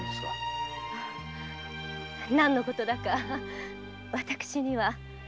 何の事だか私には。